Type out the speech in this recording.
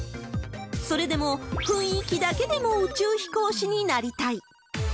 それでも、雰囲気だけでも宇宙飛行士になりたい。